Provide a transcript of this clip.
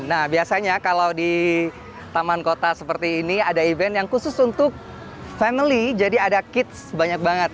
nah biasanya kalau di taman kota seperti ini ada event yang khusus untuk family jadi ada kids banyak banget